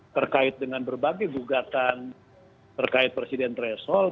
terkait dengan berbagai gugatan terkait presiden threshold